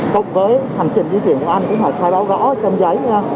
cộng với hành trình di chuyển của anh cũng phải khai rõ rõ trong giấy